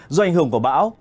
do ảnh hưởng của bão